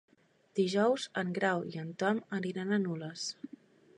Dijous en Grau i en Tom aniran a Nules.